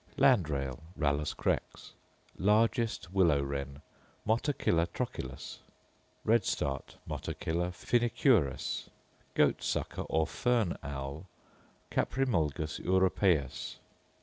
_ Landrail, Rallus crex. Largest willow wren, Motacilla trochilus. Redstart, Motacilla phœnicurus. Goat sucker, or fern owl, _Caprimulgus europæus.